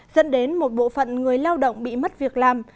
dẫn đến một bộ phận người lao động bị mất việc làm